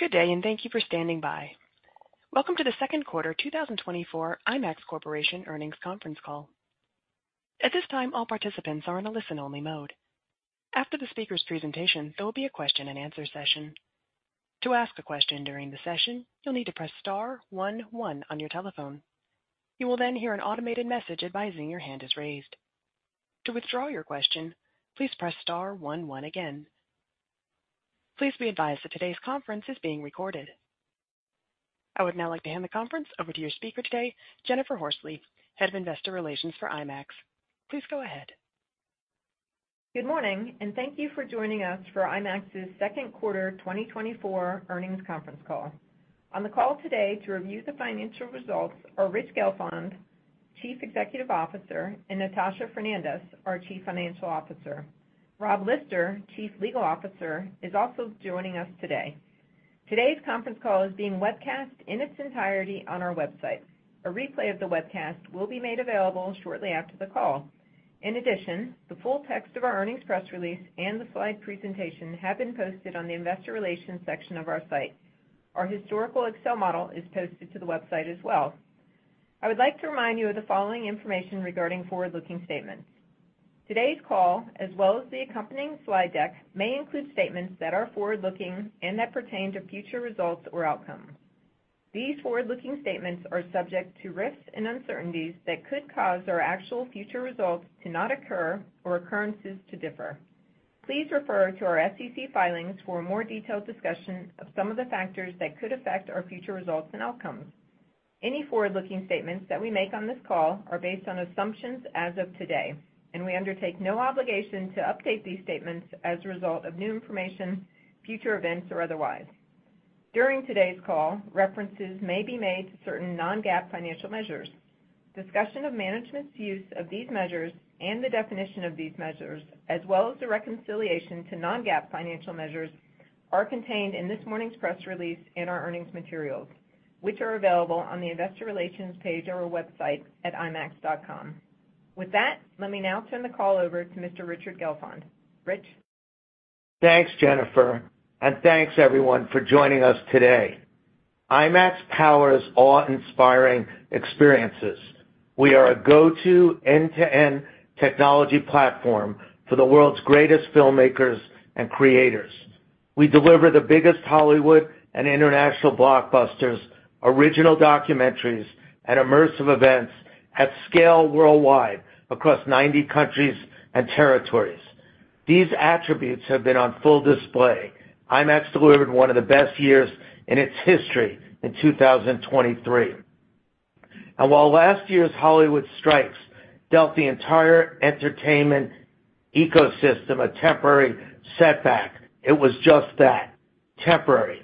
Good day, and thank you for standing by. Welcome to the second quarter 2024 IMAX Corporation earnings conference call. At this time, all participants are in a listen-only mode. After the speaker's presentation, there will be a question-and-answer session. To ask a question during the session, you'll need to Press Star 11 on your telephone. You will then hear an automated message advising your hand is raised. To withdraw your question, please Press Star 11 again. Please be advised that today's conference is being recorded. I would now like to hand the conference over to your speaker today, Jennifer Horsley, Head of Investor Relations for IMAX. Please go ahead. Good morning, and thank you for joining us for IMAX's second quarter 2024 earnings conference call. On the call today to review the financial results are Rich Gelfond, Chief Executive Officer, and Natasha Fernandes, our Chief Financial Officer. Rob Lister, Chief Legal Officer, is also joining us today. Today's conference call is being webcast in its entirety on our website. A replay of the webcast will be made available shortly after the call. In addition, the full text of our earnings press release and the slide presentation have been posted on the Investor Relations section of our site. Our historical Excel model is posted to the website as well. I would like to remind you of the following information regarding forward-looking statements. Today's call, as well as the accompanying slide deck, may include statements that are forward-looking and that pertain to future results or outcomes. These forward-looking statements are subject to risks and uncertainties that could cause our actual future results to not occur or occurrences to differ. Please refer to our SEC filings for a more detailed discussion of some of the factors that could affect our future results and outcomes. Any forward-looking statements that we make on this call are based on assumptions as of today, and we undertake no obligation to update these statements as a result of new information, future events, or otherwise. During today's call, references may be made to certain non-GAAP financial measures. Discussion of management's use of these measures and the definition of these measures, as well as the reconciliation to non-GAAP financial measures, are contained in this morning's press release and our earnings materials, which are available on the Investor Relations page of our website at IMAX.com. With that, let me now turn the call over to Mr. Richard Gelfond. Rich. Thanks, Jennifer, and thanks, everyone, for joining us today. IMAX powers awe-inspiring experiences. We are a go-to end-to-end technology platform for the world's greatest filmmakers and creators. We deliver the biggest Hollywood and international blockbusters, original documentaries, and immersive events at scale worldwide across 90 countries and territories. These attributes have been on full display. IMAX delivered one of the best years in its history in 2023. And while last year's Hollywood strikes dealt the entire entertainment ecosystem a temporary setback, it was just that: temporary.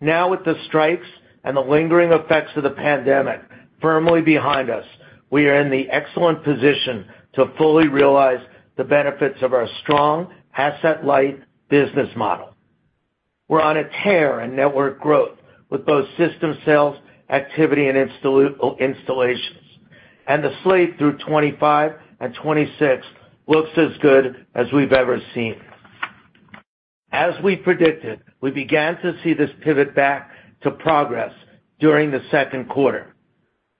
Now, with the strikes and the lingering effects of the pandemic firmly behind us, we are in the excellent position to fully realize the benefits of our strong asset-light business model. We're on a tear in network growth with both system sales, activity, and installations, and the slate through 2025 and 2026 looks as good as we've ever seen. As we predicted, we began to see this pivot back to progress during the second quarter.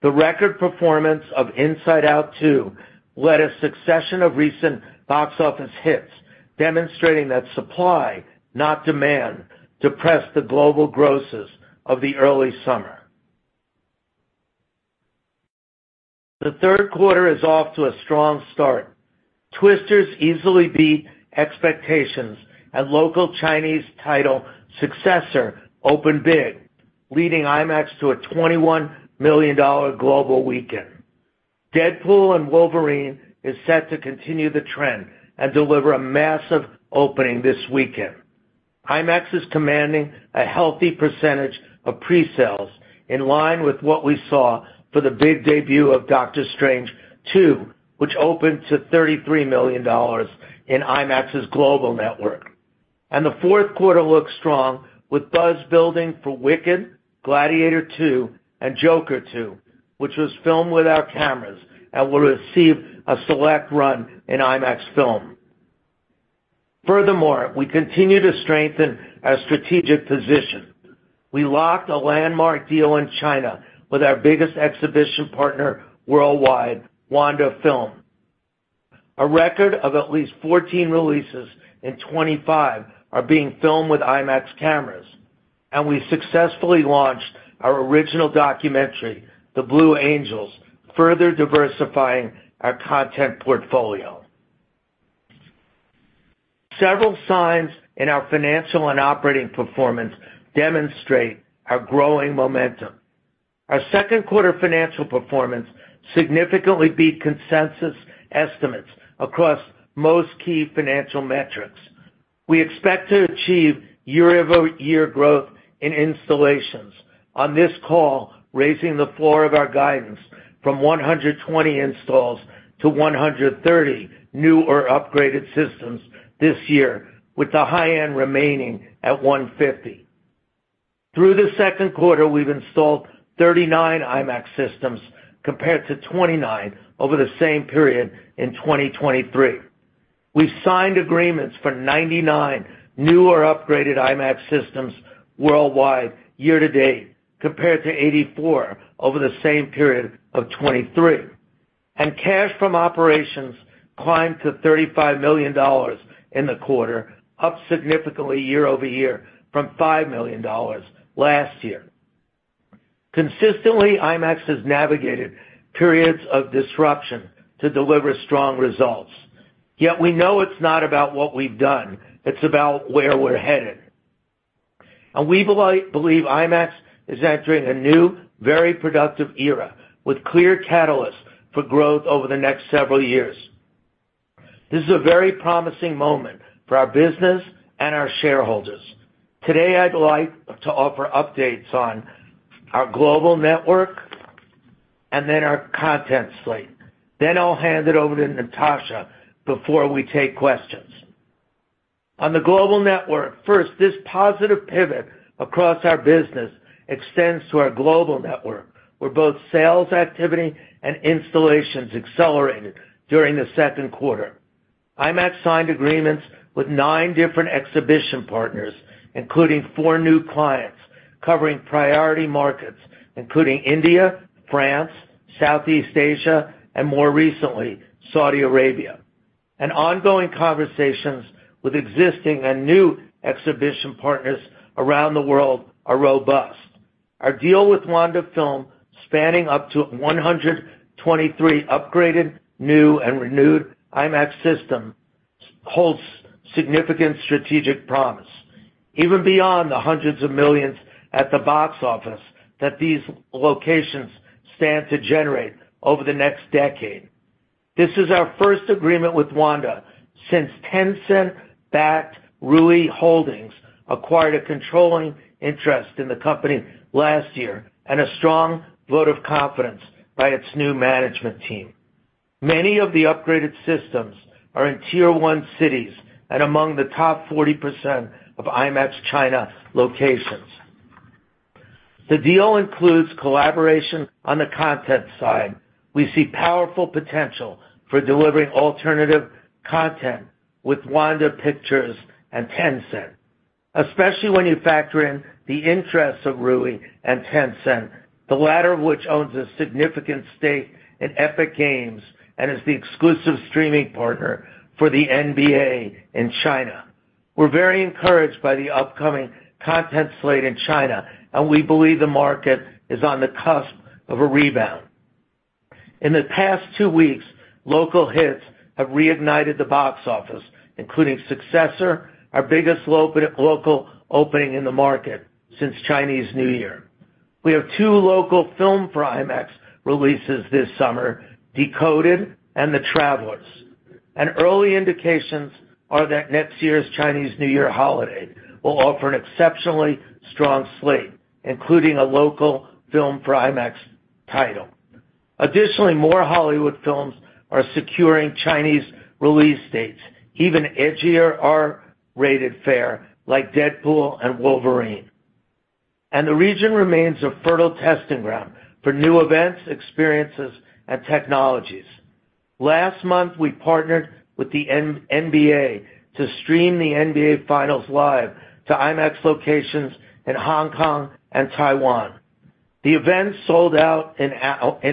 The record performance of Inside Out 2 led a succession of recent box office hits, demonstrating that supply, not demand, depressed the global grosses of the early summer. The third quarter is off to a strong start. Twisters easily beat expectations, and local Chinese title Successor. Open Big, leading IMAX to a $21 million global weekend. Deadpool & Wolverine is set to continue the trend and deliver a massive opening this weekend. IMAX is commanding a healthy percentage of pre-sales, in line with what we saw for the big debut of Doctor Strange 2, which opened to $33 million in IMAX's global network. The fourth quarter looks strong, with buzz building for Wicked, Gladiator II, and Joker 2, which was filmed with IMAX cameras and will receive a select run in Filmed for IMAX. Furthermore, we continue to strengthen our strategic position. We locked a landmark deal in China with our biggest exhibition partner worldwide, Wanda Film. A record of at least 14 releases in 2025 are being filmed with IMAX cameras, and we successfully launched our original documentary, The Blue Angels, further diversifying our content portfolio. Several signs in our financial and operating performance demonstrate our growing momentum. Our second quarter financial performance significantly beat consensus estimates across most key financial metrics. We expect to achieve year-over-year growth in installations on this call, raising the floor of our guidance from 120 installs to 130 new or upgraded systems this year, with the high-end remaining at 150. Through the second quarter, we've installed 39 IMAX systems compared to 29 over the same period in 2023. We've signed agreements for 99 new or upgraded IMAX systems worldwide year-to-date compared to 84 over the same period of 2023. Cash from operations climbed to $35 million in the quarter, up significantly year-over-year from $5 million last year. Consistently, IMAX has navigated periods of disruption to deliver strong results. Yet we know it's not about what we've done. It's about where we're headed. We believe IMAX is entering a new, very productive era with clear catalysts for growth over the next several years. This is a very promising moment for our business and our shareholders. Today, I'd like to offer updates on our global network and then our content slate. I'll hand it over to Natasha before we take questions. On the global network, first, this positive pivot across our business extends to our global network, where both sales activity and installations accelerated during the second quarter. IMAX signed agreements with nine different exhibition partners, including four new clients covering priority markets, including India, France, Southeast Asia, and more recently, Saudi Arabia. Ongoing conversations with existing and new exhibition partners around the world are robust. Our deal with Wanda Film, spanning up to 123 upgraded, new, and renewed IMAX systems, holds significant strategic promise, even beyond the hundreds of millions at the box office that these locations stand to generate over the next decade. This is our first agreement with Wanda since Tencent-backed Ruyi Holdings acquired a controlling interest in the company last year and a strong vote of confidence by its new management team. Many of the upgraded systems are in tier-one cities and among the top 40% of IMAX China locations. The deal includes collaboration on the content side. We see powerful potential for delivering alternative content with Wanda Pictures and Tencent, especially when you factor in the interests of Ruyi and Tencent, the latter of which owns a significant stake in Epic Games and is the exclusive streaming partner for the NBA in China. We're very encouraged by the upcoming content slate in China, and we believe the market is on the cusp of a rebound. In the past two weeks, local hits have reignited the box office, including Successor, our biggest local opening in the market since Chinese New Year. We have two local films for IMAX releases this summer: Decoded and The Travelers. Early indications are that next year's Chinese New Year holiday will offer an exceptionally strong slate, including a local film for IMAX title. Additionally, more Hollywood films are securing Chinese release dates, even edgier R-rated fare, like Deadpool & Wolverine. The region remains a fertile testing ground for new events, experiences, and technologies. Last month, we partnered with the NBA to stream the NBA Finals live to IMAX locations in Hong Kong and Taiwan. The event sold out in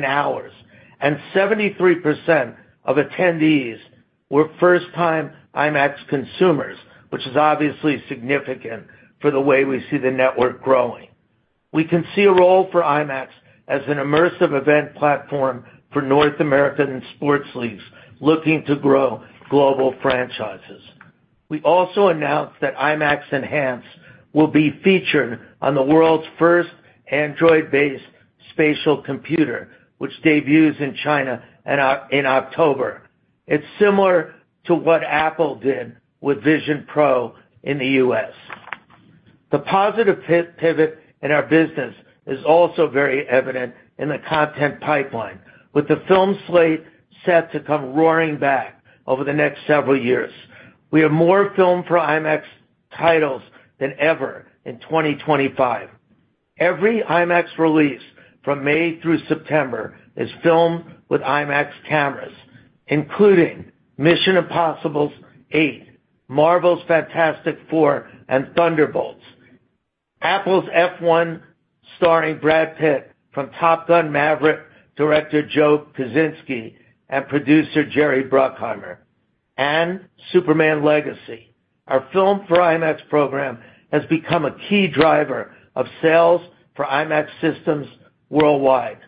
hours, and 73% of attendees were first-time IMAX consumers, which is obviously significant for the way we see the network growing. We can see a role for IMAX as an immersive event platform for North American sports leagues looking to grow global franchises. We also announced that IMAX Enhanced will be featured on the world's first Android-based spatial computer, which debuts in China in October. It's similar to what Apple did with Vision Pro in the US. The positive pivot in our business is also very evident in the content pipeline, with the film slate set to come roaring back over the next several years. We have more Filmed for IMAX titles than ever in 2025. Every IMAX release from May through September is filmed with IMAX cameras, including Mission: Impossible 8, Marvel's Fantastic Four, and Thunderbolts*. Apple's F1, starring Brad Pitt, from Top Gun: Maverick director Joe Kosinski, and producer Jerry Bruckheimer, and Superman: Legacy. Our Filmed for IMAX program has become a key driver of sales for IMAX systems worldwide.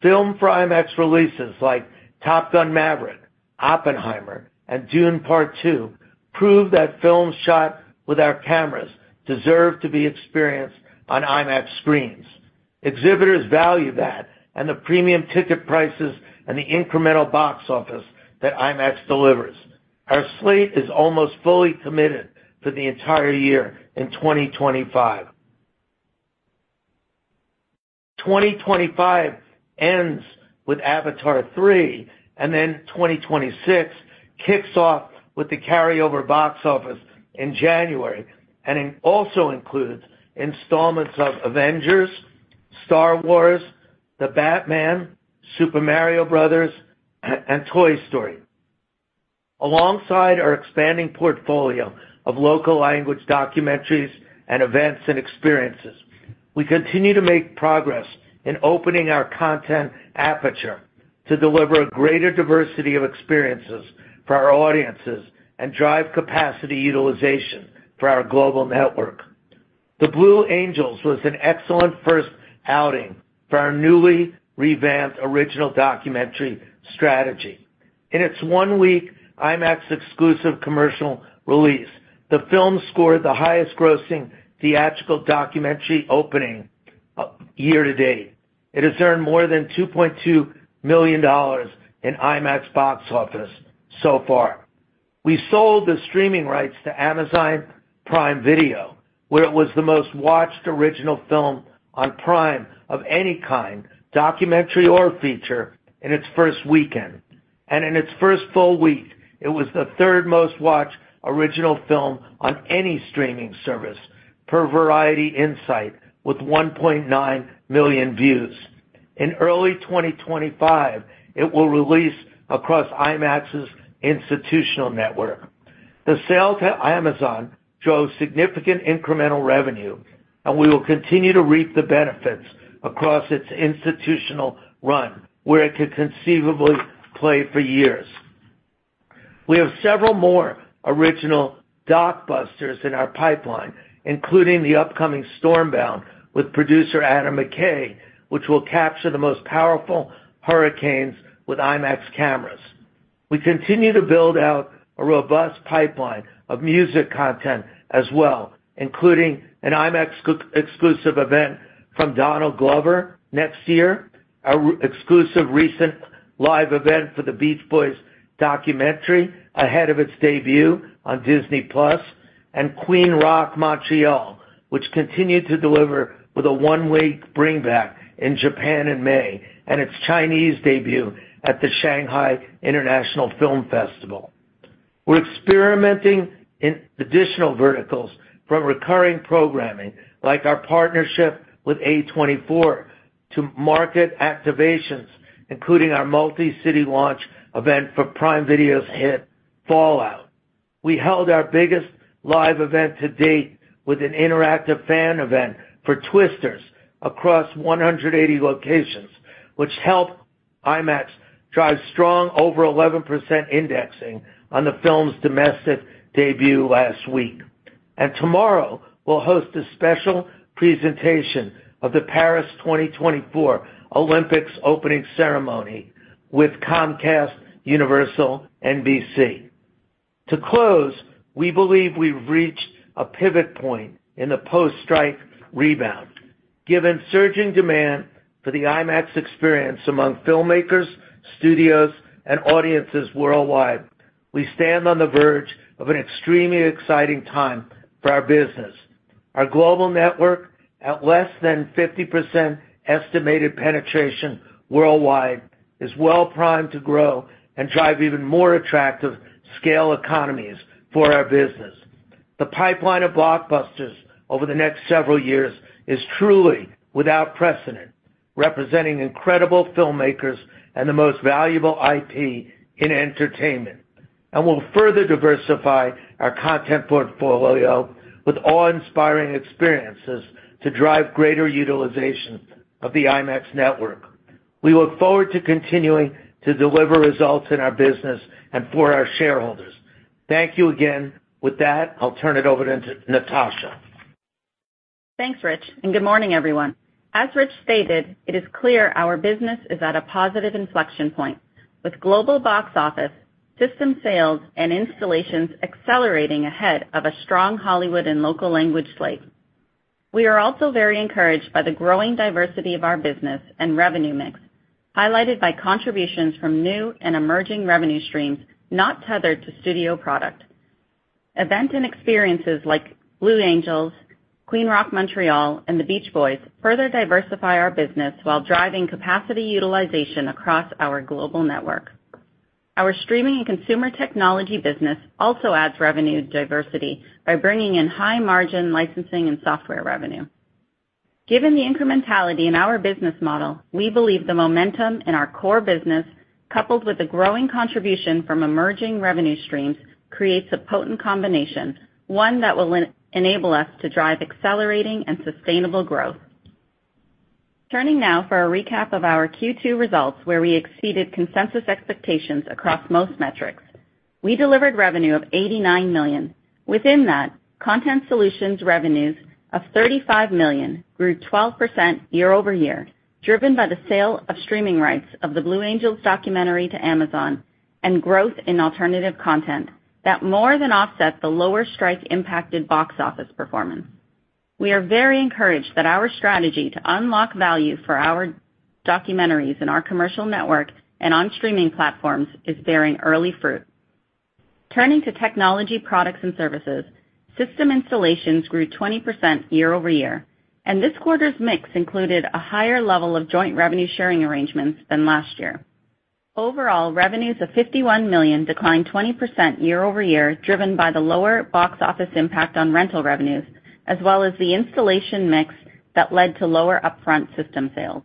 Filmed for IMAX releases like Top Gun: Maverick, Oppenheimer, and Dune: Part Two prove that films shot with our cameras deserve to be experienced on IMAX screens. Exhibitors value that, and the premium ticket prices and the incremental box office that IMAX delivers. Our slate is almost fully committed for the entire year in 2025. 2025 ends with Avatar 3, and then 2026 kicks off with the carryover box office in January, and it also includes installments of Avengers, Star Wars, The Batman, Super Mario Bros., and Toy Story. Alongside our expanding portfolio of local language documentaries and events and experiences, we continue to make progress in opening our content aperture to deliver a greater diversity of experiences for our audiences and drive capacity utilization for our global network. The Blue Angels was an excellent first outing for our newly revamped original documentary strategy. In its one-week IMAX exclusive commercial release, the film scored the highest-grossing theatrical documentary opening year-to-date. It has earned more than $2.2 million in IMAX box office so far. We sold the streaming rights to Amazon Prime Video, where it was the most-watched original film on Prime of any kind, documentary or feature, in its first weekend. In its first full week, it was the third-most-watched original film on any streaming service, per Variety Insight, with 1.9 million views. In early 2025, it will release across IMAX's institutional network. The sales at Amazon drove significant incremental revenue, and we will continue to reap the benefits across its institutional run, where it could conceivably play for years. We have several more original blockbusters in our pipeline, including the upcoming Stormbound with producer Adam McKay, which will capture the most powerful hurricanes with IMAX cameras. We continue to build out a robust pipeline of music content as well, including an IMAX-exclusive event from Donald Glover next year, our exclusive recent live event for The Beach Boys documentary ahead of its debut on Disney+, and Queen Rock Montreal, which continued to deliver with a one-week bring-back in Japan in May and its Chinese debut at the Shanghai International Film Festival. We're experimenting in additional verticals from recurring programming, like our partnership with A24, to market activations, including our multi-city launch event for Prime Video's hit Fallout. We held our biggest live event to date with an interactive fan event for Twisters across 180 locations, which helped IMAX drive strong over 11% indexing on the film's domestic debut last week. Tomorrow, we'll host a special presentation of the Paris 2024 Olympics opening ceremony with Comcast, Universal, and NBC. To close, we believe we've reached a pivot point in the post-strike rebound. Given surging demand for the IMAX experience among filmmakers, studios, and audiences worldwide, we stand on the verge of an extremely exciting time for our business. Our global network, at less than 50% estimated penetration worldwide, is well primed to grow and drive even more attractive scale economies for our business. The pipeline of blockbusters over the next several years is truly without precedent, representing incredible filmmakers and the most valuable IP in entertainment. We'll further diversify our content portfolio with awe-inspiring experiences to drive greater utilization of the IMAX network. We look forward to continuing to deliver results in our business and for our shareholders. Thank you again. With that, I'll turn it over to Natasha. Thanks, Rich. Good morning, everyone. As Rich stated, it is clear our business is at a positive inflection point, with global box office, system sales, and installations accelerating ahead of a strong Hollywood and local language slate. We are also very encouraged by the growing diversity of our business and revenue mix, highlighted by contributions from new and emerging revenue streams not tethered to studio product. Events and experiences like Blue Angels, Queen Rock Montreal, and The Beach Boys further diversify our business while driving capacity utilization across our global network. Our streaming and consumer technology business also adds revenue diversity by bringing in high-margin licensing and software revenue. Given the incrementality in our business model, we believe the momentum in our core business, coupled with the growing contribution from emerging revenue streams, creates a potent combination, one that will enable us to drive accelerating and sustainable growth. Turning now for a recap of our Q2 results, where we exceeded consensus expectations across most metrics. We delivered revenue of $89 million. Within that, content solutions revenues of $35 million grew 12% year-over-year, driven by the sale of streaming rights of The Blue Angels documentary to Amazon and growth in alternative content that more than offset the lower-strike impacted box office performance. We are very encouraged that our strategy to unlock value for our documentaries in our commercial network and on streaming platforms is bearing early fruit. Turning to technology products and services, system installations grew 20% year-over-year, and this quarter's mix included a higher level of joint revenue-sharing arrangements than last year. Overall, revenues of $51 million declined 20% year-over-year, driven by the lower box office impact on rental revenues, as well as the installation mix that led to lower upfront system sales.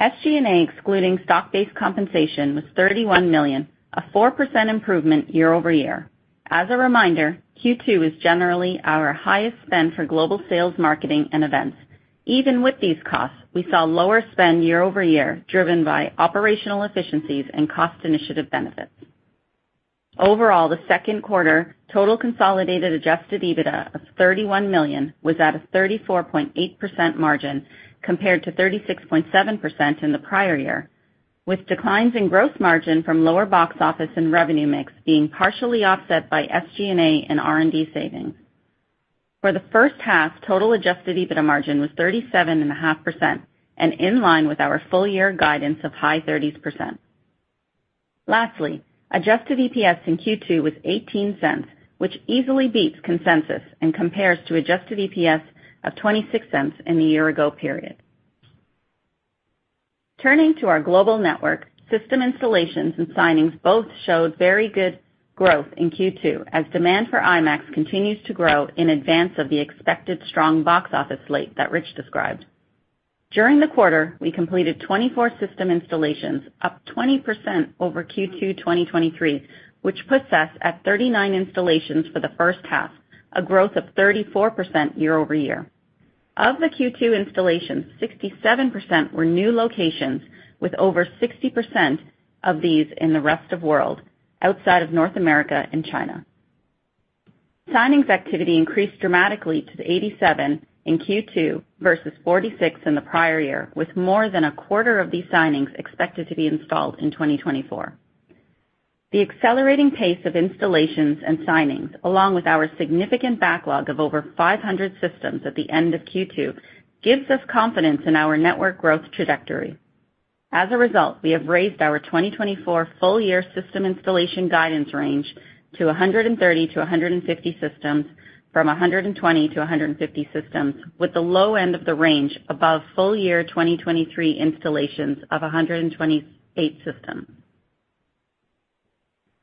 SG&A excluding stock-based compensation was $31 million, a 4% improvement year-over-year. As a reminder, Q2 is generally our highest spend for global sales, marketing, and events. Even with these costs, we saw lower spend year-over-year, driven by operational efficiencies and cost-initiative benefits. Overall, the second quarter total consolidated adjusted EBITDA of $31 million was at a 34.8% margin compared to 36.7% in the prior year, with declines in gross margin from lower box office and revenue mix being partially offset by SG&A and R&D savings. For the first half, total adjusted EBITDA margin was 37.5%, and in line with our full-year guidance of high 30%. Lastly, adjusted EPS in Q2 was $0.18, which easily beats consensus and compares to adjusted EPS of $0.26 in the year-ago period. Turning to our global network, system installations and signings both showed very good growth in Q2, as demand for IMAX continues to grow in advance of the expected strong box office slate that Rich described. During the quarter, we completed 24 system installations, up 20% over Q2 2023, which puts us at 39 installations for the first half, a growth of 34% year-over-year. Of the Q2 installations, 67% were new locations, with over 60% of these in the rest of the world outside of North America and China. Signings activity increased dramatically to 87 in Q2 versus 46 in the prior year, with more than a quarter of these signings expected to be installed in 2024. The accelerating pace of installations and signings, along with our significant backlog of over 500 systems at the end of Q2, gives us confidence in our network growth trajectory. As a result, we have raised our 2024 full-year system installation guidance range to 130-150 systems from 120-150 systems, with the low end of the range above full-year 2023 installations of 128 systems.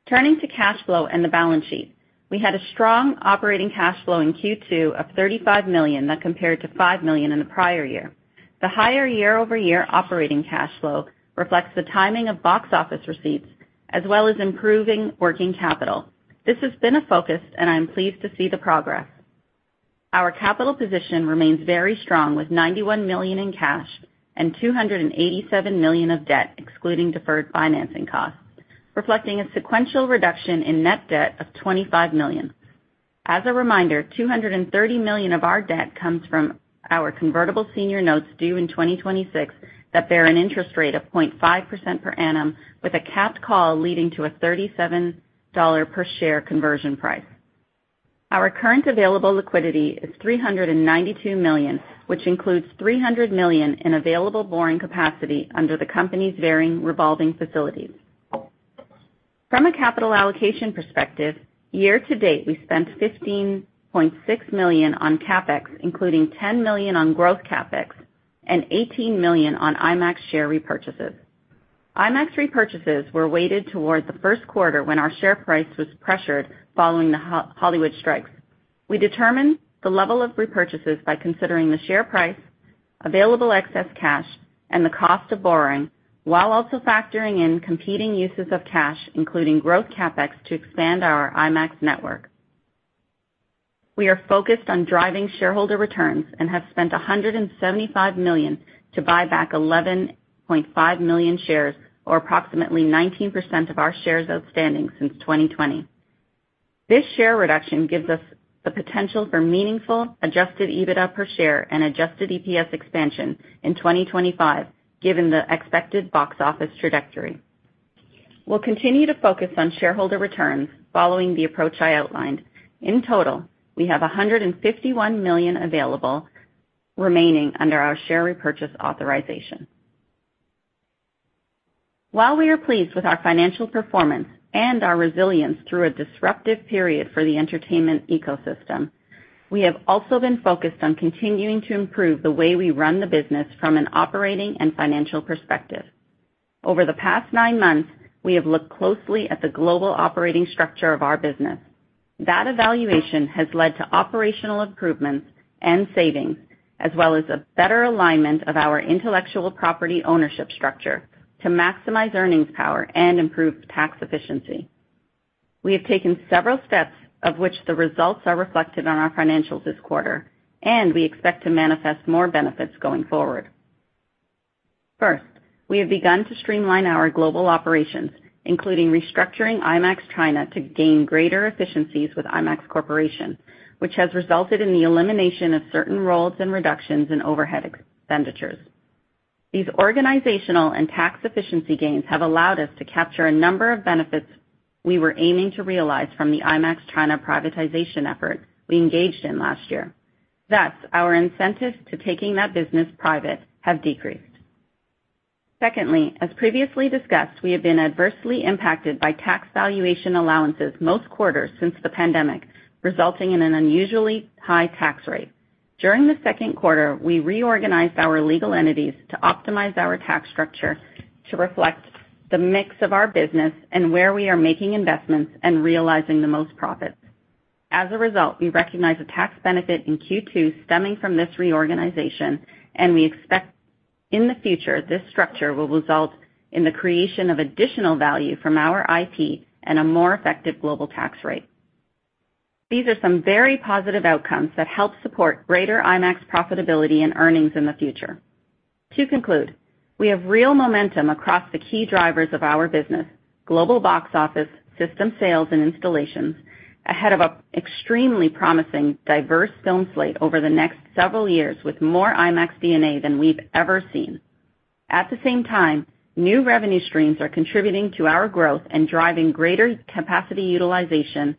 Turning to cash flow and the balance sheet, we had a strong operating cash flow in Q2 of $35 million that compared to $5 million in the prior year. The higher year-over-year operating cash flow reflects the timing of box office receipts as well as improving working capital. This has been a focus, and I'm pleased to see the progress. Our capital position remains very strong, with $91 million in cash and $287 million of debt, excluding deferred financing costs, reflecting a sequential reduction in net debt of $25 million. As a reminder, $230 million of our debt comes from our convertible senior notes due in 2026 that bear an interest rate of 0.5% per annum, with a capped call leading to a $37 per share conversion price. Our current available liquidity is $392 million, which includes $300 million in available borrowing capacity under the company's varying revolving facilities. From a capital allocation perspective, year-to-date, we spent $15.6 million on CapEx, including $10 million on growth CapEx and $18 million on IMAX share repurchases. IMAX repurchases were weighted toward the first quarter when our share price was pressured following the Hollywood strikes. We determined the level of repurchases by considering the share price, available excess cash, and the cost of borrowing, while also factoring in competing uses of cash, including growth CapEx, to expand our IMAX network. We are focused on driving shareholder returns and have spent $175 million to buy back 11.5 million shares, or approximately 19% of our shares outstanding since 2020. This share reduction gives us the potential for meaningful Adjusted EBITDA per share and Adjusted EPS expansion in 2025, given the expected box office trajectory. We'll continue to focus on shareholder returns following the approach I outlined. In total, we have $151 million available remaining under our share repurchase authorization. While we are pleased with our financial performance and our resilience through a disruptive period for the entertainment ecosystem, we have also been focused on continuing to improve the way we run the business from an operating and financial perspective. Over the past nine months, we have looked closely at the global operating structure of our business. That evaluation has led to operational improvements and savings, as well as a better alignment of our intellectual property ownership structure to maximize earnings power and improve tax efficiency. We have taken several steps, of which the results are reflected on our financials this quarter, and we expect to manifest more benefits going forward. First, we have begun to streamline our global operations, including restructuring IMAX China to gain greater efficiencies with IMAX Corporation, which has resulted in the elimination of certain roles and reductions in overhead expenditures. These organizational and tax efficiency gains have allowed us to capture a number of benefits we were aiming to realize from the IMAX China privatization effort we engaged in last year. Thus, our incentives to take that business private have decreased. Secondly, as previously discussed, we have been adversely impacted by tax valuation allowances most quarters since the pandemic, resulting in an unusually high tax rate. During the second quarter, we reorganized our legal entities to optimize our tax structure to reflect the mix of our business and where we are making investments and realizing the most profits. As a result, we recognize a tax benefit in Q2 stemming from this reorganization, and we expect in the future this structure will result in the creation of additional value from our IP and a more effective global tax rate. These are some very positive outcomes that help support greater IMAX profitability and earnings in the future. To conclude, we have real momentum across the key drivers of our business: global box office, system sales, and installations, ahead of an extremely promising diverse film slate over the next several years with more IMAX DNA than we've ever seen. At the same time, new revenue streams are contributing to our growth and driving greater capacity utilization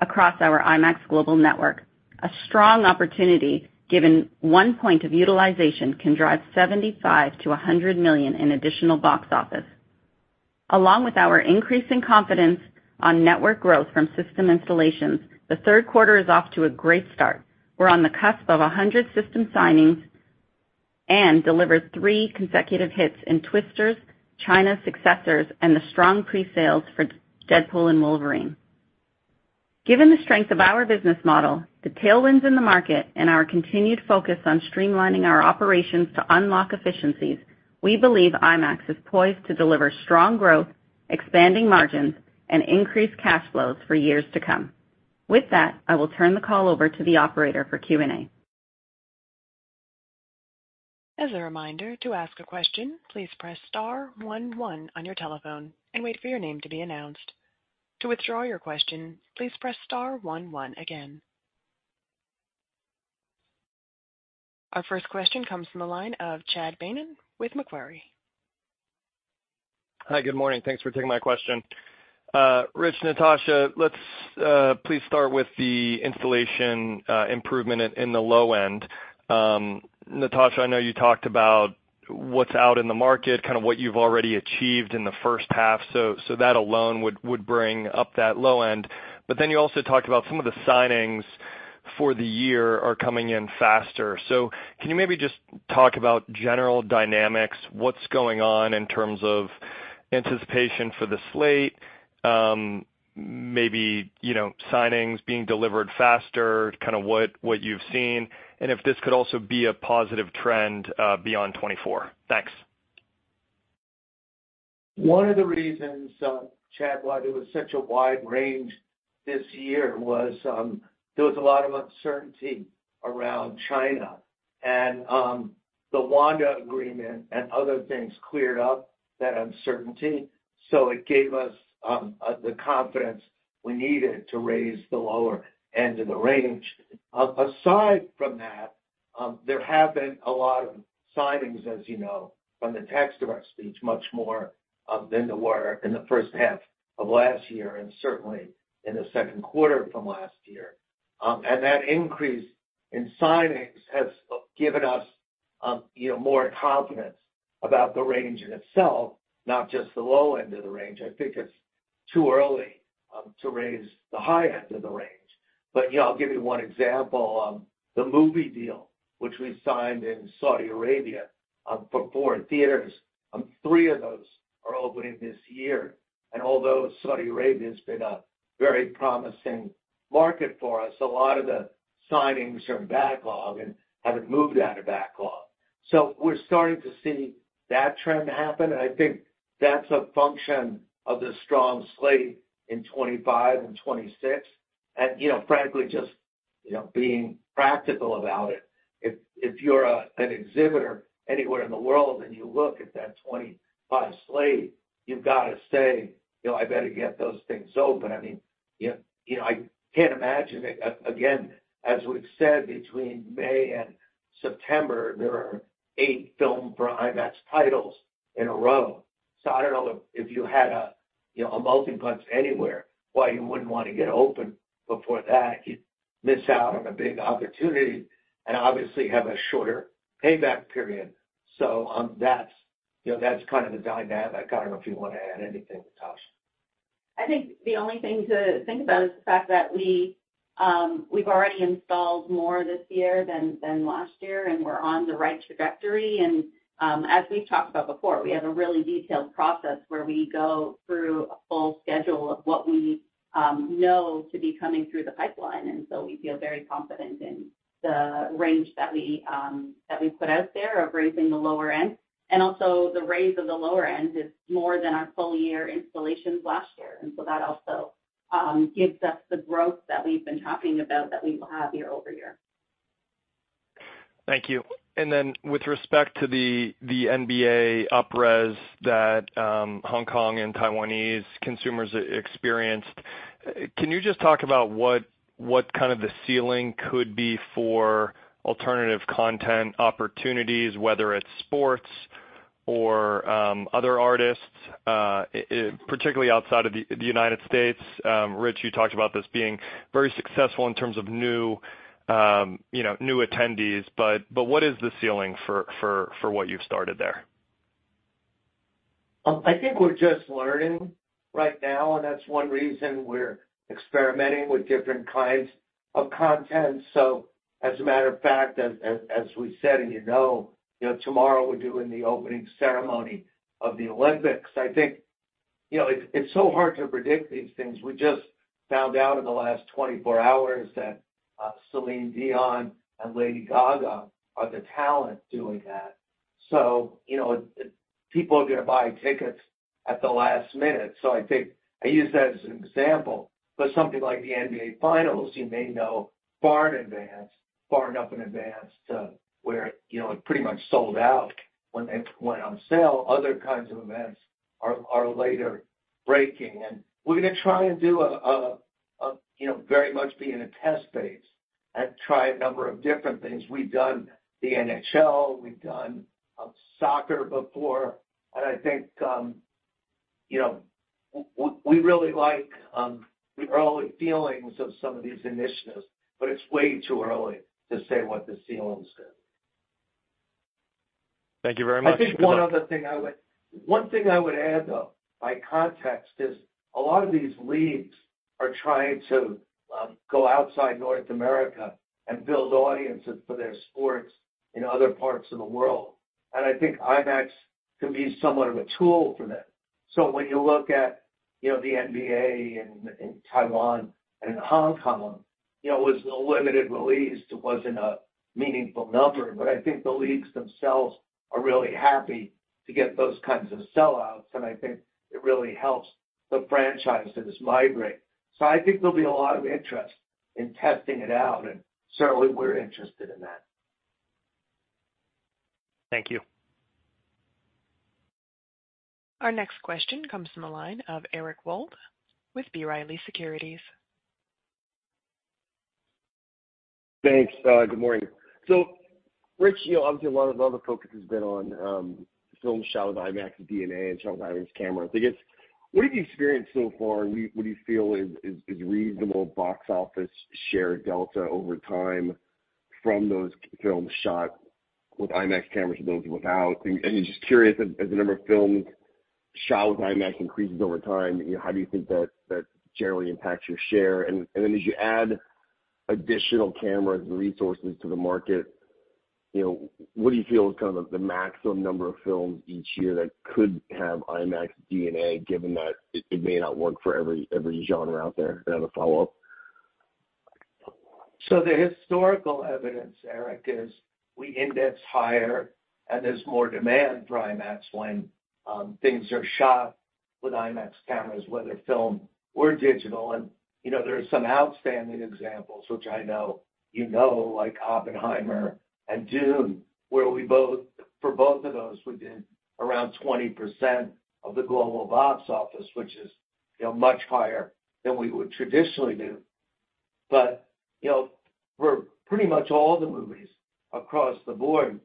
across our IMAX global network. A strong opportunity, given one point of utilization can drive $75 million-$100 million in additional box office. Along with our increasing confidence on network growth from system installations, the third quarter is off to a great start. We're on the cusp of 100 system signings and delivered three consecutive hits in Twisters, China's Successor, and the strong pre-sales for Deadpool and Wolverine. Given the strength of our business model, the tailwinds in the market, and our continued focus on streamlining our operations to unlock efficiencies, we believe IMAX is poised to deliver strong growth, expanding margins, and increased cash flows for years to come. With that, I will turn the call over to the operator for Q&A. As a reminder, to ask a question, please Press Star 11 on your telephone and wait for your name to be announced. To withdraw your question, please Press Star 11 again. Our first question comes from the line of Chad Beynon with Macquarie. Hi, good morning. Thanks for taking my question. Rich, Natasha, please start with the installation improvement in the low end. Natasha, I know you talked about what's out in the market, kind of what you've already achieved in the first half. So that alone would bring up that low end. But then you also talked about some of the signings for the year are coming in faster. So can you maybe just talk about general dynamics, what's going on in terms of anticipation for the slate, maybe signings being delivered faster, kind of what you've seen, and if this could also be a positive trend beyond 2024? Thanks. One of the reasons, Chad, why there was such a wide range this year was there was a lot of uncertainty around China. And the Wanda agreement and other things cleared up that uncertainty. So it gave us the confidence we needed to raise the lower end of the range. Aside from that, there have been a lot of signings, as you know, from the text of our speech, much more than there were in the first half of last year and certainly in the second quarter from last year. That increase in signings has given us more confidence about the range in itself, not just the low end of the range. I think it's too early to raise the high end of the range. I'll give you one example. The movie deal, which we signed in Saudi Arabia for four theaters. Three of those are opening this year. Although Saudi Arabia has been a very promising market for us, a lot of the signings are in backlog and haven't moved out of backlog. We're starting to see that trend happen. I think that's a function of the strong slate in 2025 and 2026. And frankly, just being practical about it, if you're an exhibitor anywhere in the world and you look at that 2025 slate, you've got to say, "I better get those things open." I mean, I can't imagine, again, as we've said, between May and September, there are eight film for IMAX titles in a row. So I don't know if you had a multiplex anywhere why you wouldn't want to get open before that. You'd miss out on a big opportunity and obviously have a shorter payback period. So that's kind of the dynamic. I don't know if you want to add anything, Natasha. I think the only thing to think about is the fact that we've already installed more this year than last year, and we're on the right trajectory. As we've talked about before, we have a really detailed process where we go through a full schedule of what we know to be coming through the pipeline. So we feel very confident in the range that we put out there of raising the lower end. Also, the raise of the lower end is more than our full-year installations last year. So that also gives us the growth that we've been talking about that we will have year-over-year. Thank you. Then with respect to the NBA uprez that Hong Kong and Taiwanese consumers experienced, can you just talk about what kind of the ceiling could be for alternative content opportunities, whether it's sports or other artists, particularly outside of the United States? Rich, you talked about this being very successful in terms of new attendees. But what is the ceiling for what you've started there? I think we're just learning right now, and that's one reason we're experimenting with different kinds of content. So as a matter of fact, as we said, and you know tomorrow we're doing the opening ceremony of the Olympics. I think it's so hard to predict these things. We just found out in the last 24 hours that Celine Dion and Lady Gaga are the talent doing that. So people are going to buy tickets at the last minute. So I think I use that as an example. But something like the NBA Finals, you may know far in advance, far enough in advance to where it pretty much sold out when they went on sale. Other kinds of events are later breaking. We're going to try and do very much on a test basis and try a number of different things. We've done the NHL. We've done soccer before. I think we really like the early feelings of some of these initiatives, but it's way too early to say what the ceiling's going to be. Thank you very much. I think one other thing I would add, though, by way of context is a lot of these leagues are trying to go outside North America and build audiences for their sports in other parts of the world. I think IMAX can be somewhat of a tool for them. So when you look at the NBA in Taiwan and Hong Kong, it was a limited release. It wasn't a meaningful number. But I think the leagues themselves are really happy to get those kinds of sellouts. I think it really helps the franchises migrate. I think there'll be a lot of interest in testing it out. Certainly, we're interested in that. Thank you. Our next question comes from the line of Eric Wold with B. Riley Securities. Thanks. Good morning. Rich, obviously, a lot of the focus has been on film shot with IMAX DNA and shot with IMAX cameras. I guess, what have you experienced so far, and what do you feel is reasonable box office share delta over time from those films shot with IMAX cameras and those without? Just curious, as the number of films shot with IMAX increases over time, how do you think that generally impacts your share? And then as you add additional cameras and resources to the market, what do you feel is kind of the maximum number of films each year that could have IMAX DNA, given that it may not work for every genre out there that have a follow-up? So the historical evidence, Eric, is we index higher, and there's more demand for IMAX when things are shot with IMAX cameras, whether film or digital. And there are some outstanding examples, which I know you know, like Oppenheimer and Dune, where for both of those, we did around 20% of the global box office, which is much higher than we would traditionally do. But for pretty much all the movies across the board,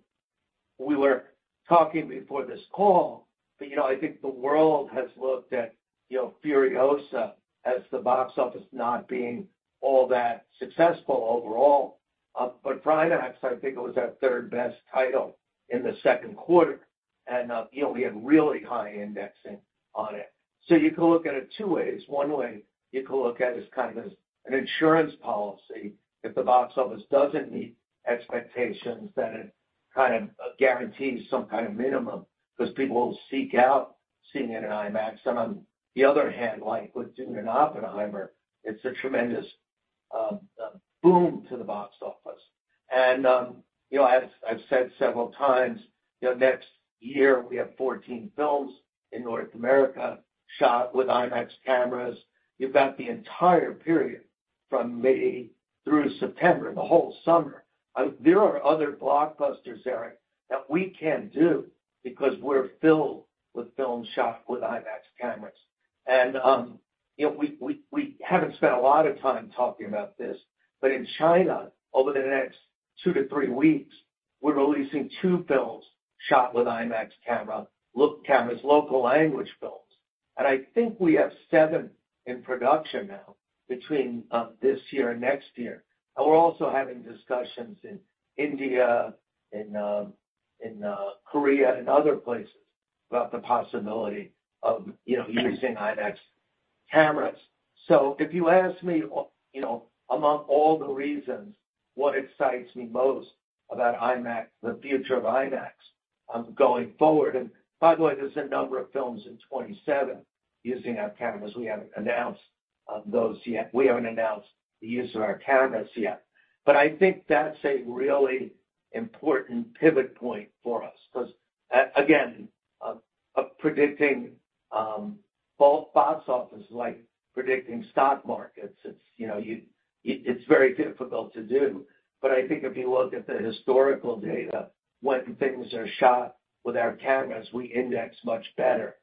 we were talking before this call, but I think the world has looked at Furiosa as the box office not being all that successful overall. But Furiosa, I think it was our third best title in the second quarter, and we had really high indexing on it. So you can look at it two ways. One way you can look at it as kind of an insurance policy. If the box office doesn't meet expectations, then it kind of guarantees some kind of minimum because people will seek out seeing it in IMAX. And on the other hand, like with Dune and Oppenheimer, it's a tremendous boom to the box office. And as I've said several times, next year, we have 14 films in North America shot with IMAX cameras. You've got the entire period from May through September, the whole summer. There are other blockbusters, Eric, that we can't do because we're filled with films shot with IMAX cameras. And we haven't spent a lot of time talking about this. In China, over the next 2-3 weeks, we're releasing 2 films shot with IMAX cameras, local language films. I think we have 7 in production now between this year and next year. We're also having discussions in India, in Korea, and other places about the possibility of using IMAX cameras. If you ask me, among all the reasons, what excites me most about IMAX, the future of IMAX going forward, and by the way, there's a number of films in 2027 using our cameras. We haven't announced those yet. We haven't announced the use of our cameras yet. I think that's a really important pivot point for us because, again, box office is like predicting stock markets. It's very difficult to do. I think if you look at the historical data, when things are shot with our cameras, we index much better.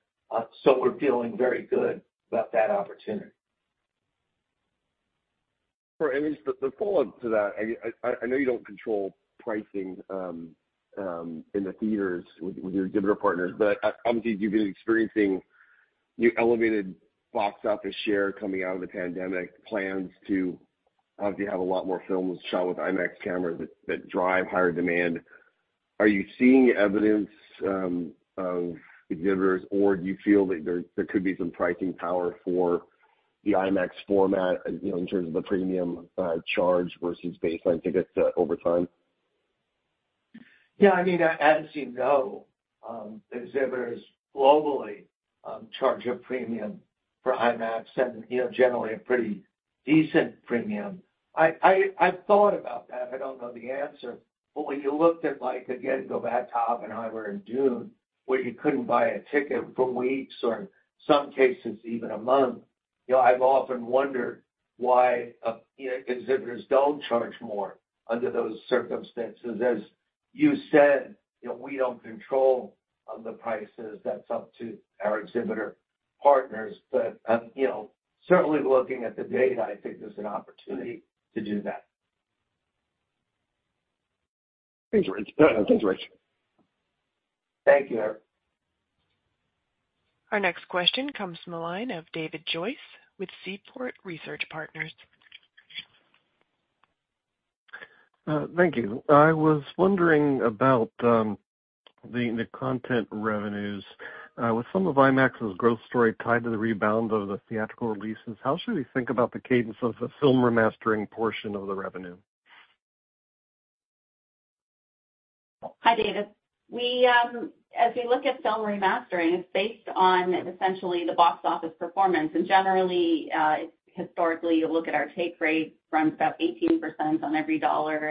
We're feeling very good about that opportunity. The follow-up to that, I know you don't control pricing in the theaters with your exhibitor partners, but obviously, you've been experiencing your elevated box office share coming out of the pandemic, plans to obviously have a lot more films shot with IMAX cameras that drive higher demand. Are you seeing evidence of exhibitors, or do you feel that there could be some pricing power for the IMAX format in terms of the premium charge versus baseline tickets over time? Yeah, I mean, as you know, exhibitors globally charge a premium for IMAX and generally a pretty decent premium. I've thought about that. I don't know the answer. But when you looked at, again, go back to Oppenheimer and Dune, where you couldn't buy a ticket for weeks or in some cases even a month, I've often wondered why exhibitors don't charge more under those circumstances. As you said, we don't control the prices. That's up to our exhibitor partners. But certainly, looking at the data, I think there's an opportunity to do that. Thanks, Rich. Thank you, Eric. Our next question comes from the line of David Joyce with Seaport Research Partners. Thank you. I was wondering about the content revenues. With some of IMAX's growth story tied to the rebound of the theatrical releases, how should we think about the cadence of the film remastering portion of the revenue? Hi, David. As we look at film remastering, it's based on essentially the box office performance. Generally, historically, you'll look at our take rate from about 18% on every dollar.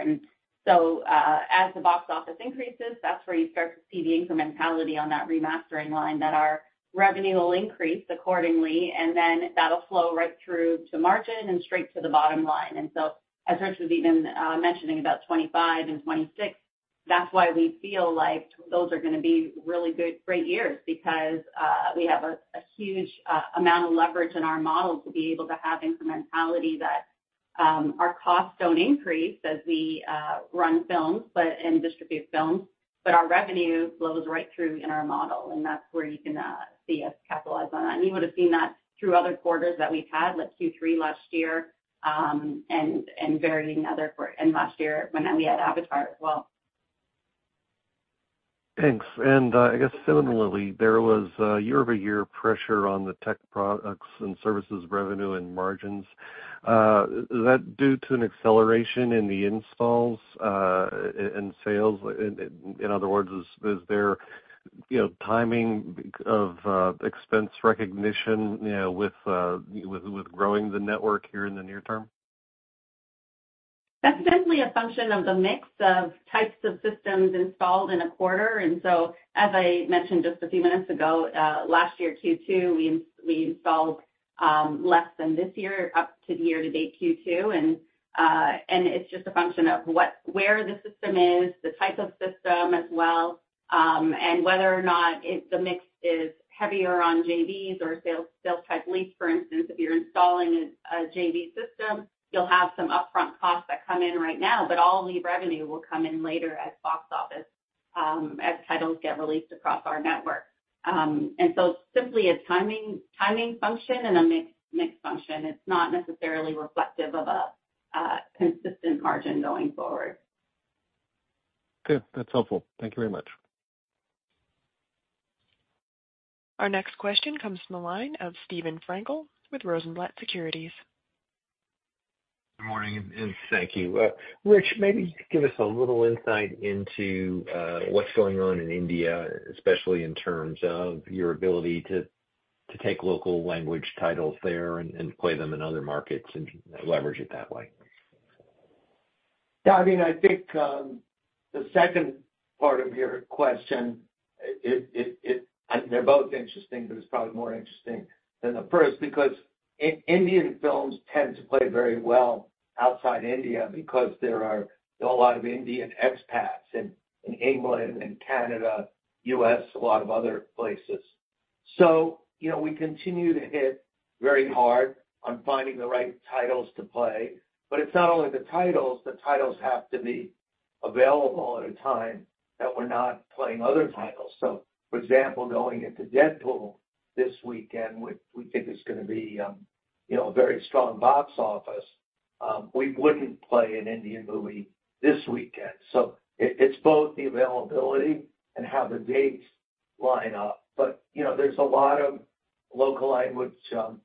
So as the box office increases, that's where you start to see the incrementality on that remastering line that our revenue will increase accordingly. Then that'll flow right through to margin and straight to the bottom line. So as Rich was even mentioning about 2025 and 2026, that's why we feel like those are going to be really good, great years because we have a huge amount of leverage in our model to be able to have incrementality that our costs don't increase as we run films and distribute films, but our revenue flows right through in our model. That's where you can see us capitalize on that. You would have seen that through other quarters that we've had, like Q3 last year and varying other quarters. Last year, when we had Avatar as well. Thanks. I guess similarly, there was year-over-year pressure on the tech products and services revenue and margins. Is that due to an acceleration in the installs and sales? In other words, is there timing of expense recognition with growing the network here in the near term? That's definitely a function of the mix of types of systems installed in a quarter. So, as I mentioned just a few minutes ago, last year, Q2, we installed less than this year up to year-to-date Q2. It's just a function of which the system is, the type of system as well, and whether or not the mix is heavier on JVs or sales-type leases. For instance, if you're installing a JV system, you'll have some upfront costs that come in right now, but all league revenue will come in later as box office as titles get released across our network. And so it's simply a timing function and a mixed function. It's not necessarily reflective of a consistent margin going forward. Good. That's helpful. Thank you very much. Our next question comes from the line of Steve Frankel with Rosenblatt Securities. Good morning and thank you. Rich, maybe you could give us a little insight into what's going on in India, especially in terms of your ability to take local language titles there and play them in other markets and leverage it that way. Yeah, I mean, I think the second part of your question, they're both interesting, but it's probably more interesting than the first because Indian films tend to play very well outside India because there are a lot of Indian expats in England and Canada, U.S., a lot of other places. So we continue to hit very hard on finding the right titles to play. But it's not only the titles. The titles have to be available at a time that we're not playing other titles. So, for example, going into Deadpool this weekend, which we think is going to be a very strong box office, we wouldn't play an Indian movie this weekend. So it's both the availability and how the dates line up. But there's a lot of local language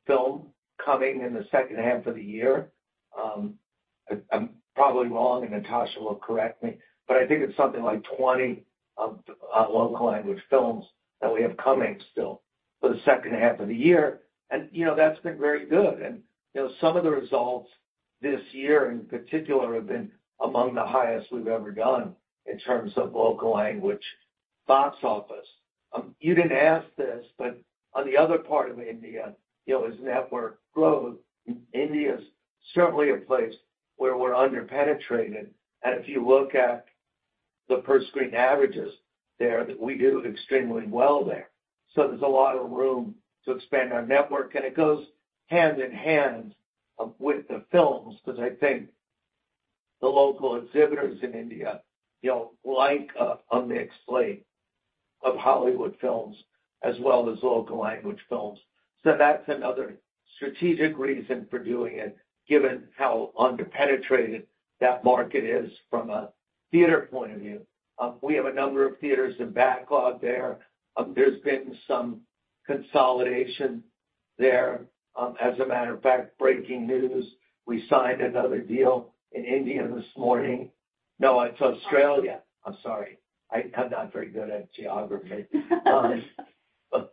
film coming in the second half of the year. I'm probably wrong, and Natasha will correct me, but I think it's something like 20 local language films that we have coming still for the second half of the year. And that's been very good. And some of the results this year in particular have been among the highest we've ever done in terms of local language box office. You didn't ask this, but on the other part of India, as network growth, India is certainly a place where we're underpenetrated. And if you look at the per-screen averages there, we do extremely well there. So there's a lot of room to expand our network. And it goes hand in hand with the films because I think the local exhibitors in India like a mixed slate of Hollywood films as well as local language films. So that's another strategic reason for doing it, given how underpenetrated that market is from a theater point of view. We have a number of theaters in backlog there. There's been some consolidation there. As a matter of fact, breaking news, we signed another deal in India this morning. No, it's Australia. I'm sorry. I'm not very good at geography. But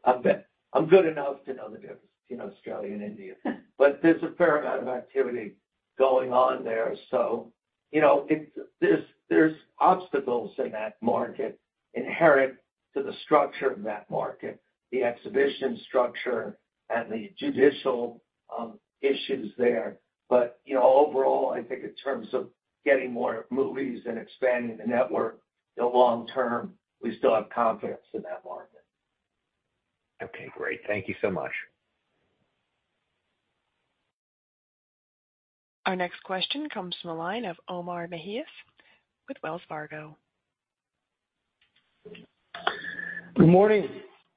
I'm good enough to know the difference between Australia and India. But there's a fair amount of activity going on there. So there's obstacles in that market inherent to the structure of that market, the exhibition structure, and the judicial issues there. But overall, I think in terms of getting more movies and expanding the network, long term, we still have confidence in that market. Okay, great. Thank you so much. Our next question comes from the line of Omar Mejias with Wells Fargo. Good morning.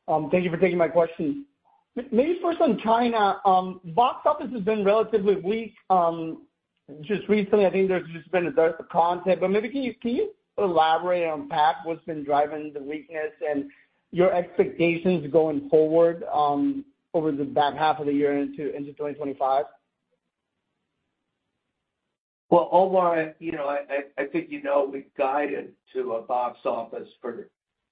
Thank you for taking my question. Maybe first on China, box office has been relatively weak. Just recently, I think there's just been a dearth of content. But maybe can you elaborate on PAC, what's been driving the weakness and your expectations going forward over the back half of the year into 2025? Well, Omar, I think you know we've guided to a box office for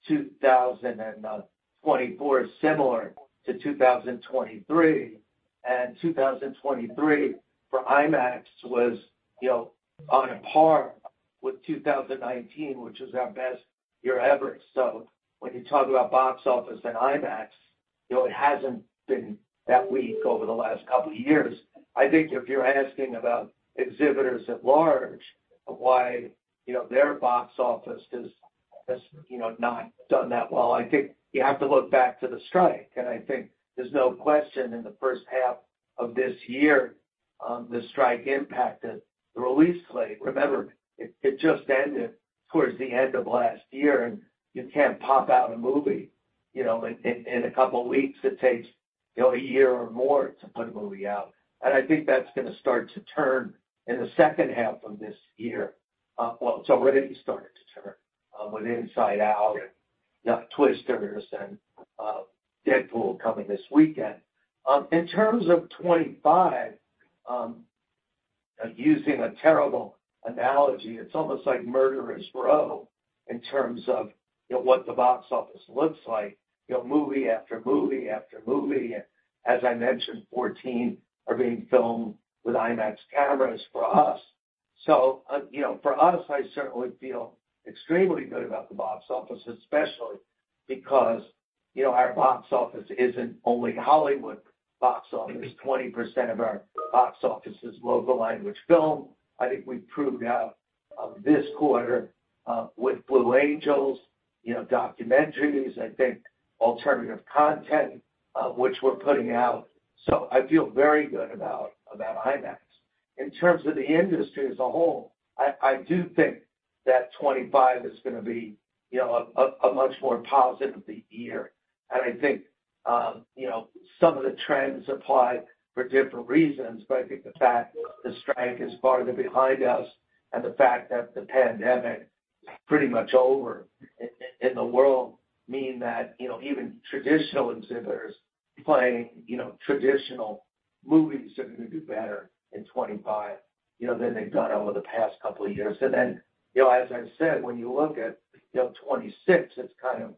2024 similar to 2023. 2023 for IMAX was on a par with 2019, which was our best year ever. So when you talk about box office and IMAX, it hasn't been that weak over the last couple of years. I think if you're asking about exhibitors at large and why their box office has not done that well, I think you have to look back to the strike. And I think there's no question in the first half of this year the strike impacted the release plate. Remember, it just ended towards the end of last year. And you can't pop out a movie in a couple of weeks. It takes a year or more to put a movie out. And I think that's going to start to turn in the second half of this year. Well, it's already started to turn with Inside Out and Twisters and Deadpool coming this weekend. In terms of 2025, using a terrible analogy, it's almost like a murderer's row in terms of what the box office looks like, movie after movie after movie. And as I mentioned, 14 are being filmed with IMAX cameras for us. So for us, I certainly feel extremely good about the box office, especially because our box office isn't only Hollywood box office. 20% of our box office is local language film. I think we've proved out this quarter with Blue Angels, documentaries, I think, alternative content, which we're putting out. So I feel very good about IMAX. In terms of the industry as a whole, I do think that 2025 is going to be a much more positive year. And I think some of the trends apply for different reasons, but I think the fact that the strike is farther behind us and the fact that the pandemic is pretty much over in the world mean that even traditional exhibitors playing traditional movies are going to do better in 2025 than they've done over the past couple of years. And then, as I said, when you look at 2026, it's kind of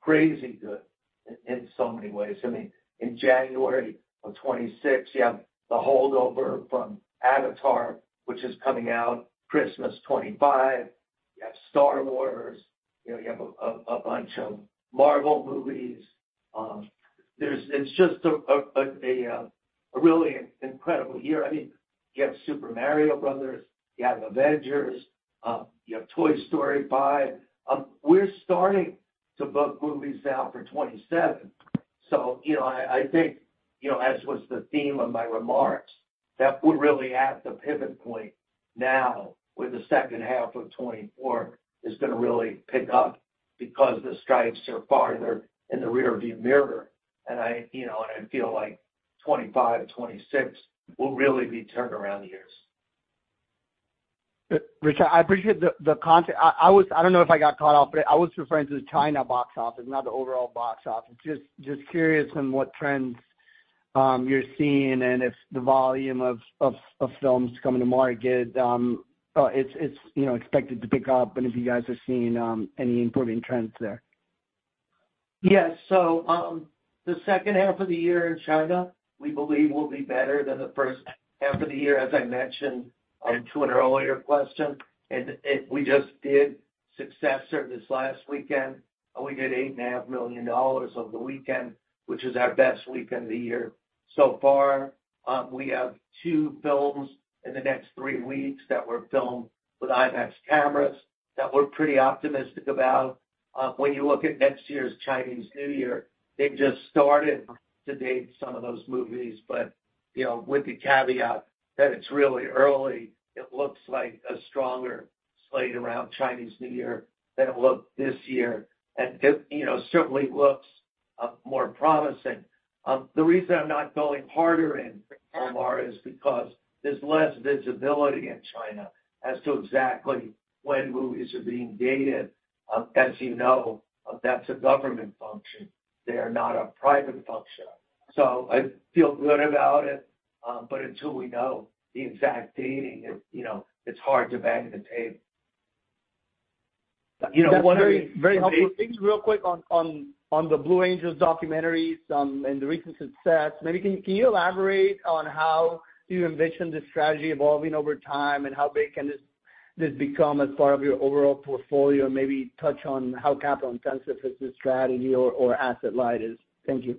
crazy good in so many ways. I mean, in January of 2026, you have the holdover from Avatar, which is coming out Christmas 2025. You have Star Wars. You have a bunch of Marvel movies. It's just a really incredible year. I mean, you have Super Mario Bros. You have Avengers. You have Toy Story 5. We're starting to book movies now for 2027. So I think, as was the theme of my remarks, that we're really at the pivot point now where the second half of 2024 is going to really pick up because the strikes are farther in the rearview mirror. And I feel like 2025, 2026 will really be turnaround years. Rich, I appreciate the content. I don't know if I got caught off, but I was referring to the China box office, not the overall box office. Just curious on what trends you're seeing and if the volume of films coming to market, it's expected to pick up? And if you guys are seeing any improving trends there. Yeah. So the second half of the year in China, we believe will be better than the first half of the year, as I mentioned to an earlier question. And we just did Successor this last weekend. We did $8.5 million over the weekend, which is our best weekend of the year. So far, we have two films in the next three weeks that were filmed with IMAX cameras that we're pretty optimistic about. When you look at next year's Chinese New Year, they've just started to date some of those movies, but with the caveat that it's really early, it looks like a stronger slate around Chinese New Year than it looked this year. It certainly looks more promising. The reason I'm not going harder in, Omar, is because there's less visibility in China as to exactly when movies are being dated. As you know, that's a government function. They are not a private function. So I feel good about it, but until we know the exact dating, it's hard to bang the table. Very helpful. Thank you real quick on the Blue Angels documentaries and the recent success. Maybe can you elaborate on how you envision this strategy evolving over time and how big can this become as part of your overall portfolio and maybe touch on how capital-intensive this strategy or asset-light is? Thank you.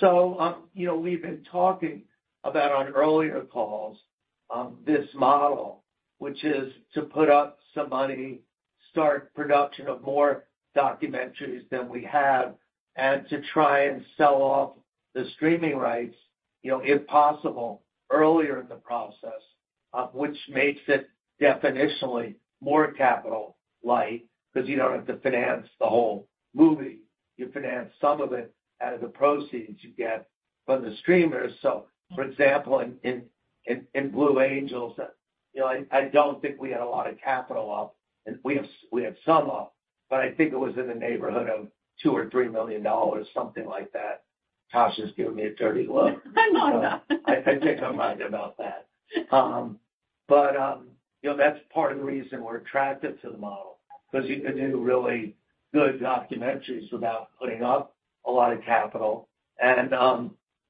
So we've been talking about on earlier calls this model, which is to put up some money, start production of more documentaries than we have, and to try and sell off the streaming rights, if possible, earlier in the process, which makes it definitionally more capital-light because you don't have to finance the whole movie. You finance some of it out of the proceeds you get from the streamers. So, for example, in Blue Angels, I don't think we had a lot of capital up. And we have some up, but I think it was in the neighborhood of $2-$3 million, something like that. Tasha's giving me a dirty look. I think I'm right about that. But that's part of the reason we're attracted to the model because you can do really good documentaries without putting up a lot of capital.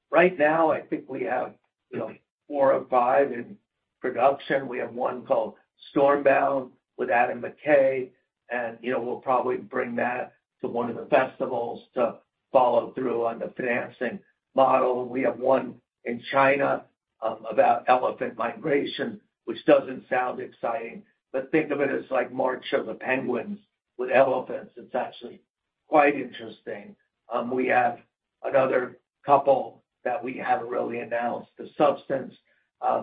Right now, I think we have four or five in production. We have one called Stormbound with Adam McKay. We'll probably bring that to one of the festivals to follow through on the financing model. We have one in China about elephant migration, which doesn't sound exciting, but think of it as like March of the Penguins with elephants. It's actually quite interesting. We have another couple that we haven't really announced the substance,